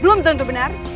belum tentu benar